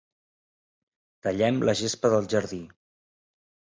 Tallem la gespa del jardí.